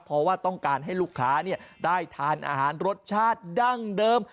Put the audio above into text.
เพราะว่าต้องการให้ลูกค้าได้ทานอาหารรสชาติดั้งเดิม